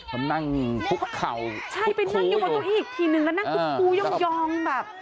เขานั่งคุกเข่าคุกคู้อยู่อ่าคุมอีกใช่ไปนั่งอยู่บนตรงนี้อีกทีหนึ่งแล้วนั่งคุกคู้ย่องแบบ